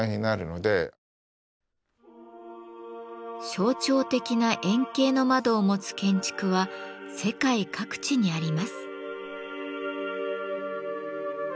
象徴的な円形の窓を持つ建築は世界各地にあります。